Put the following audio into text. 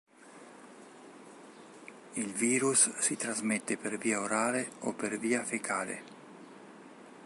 Il virus si trasmette per via orale o per via fecale.